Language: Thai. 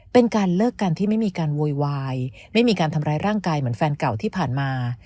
เป็นการเลิกกันที่ไม่มีการโวยวายไม่มีการทำร้ายร่างกายเหมือนแฟนเก่าที่ผ่านมา